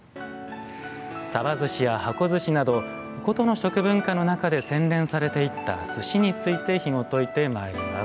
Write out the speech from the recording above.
さばずしや箱ずしなど古都の食文化の中で洗練されていった寿司についてひもといてまいります。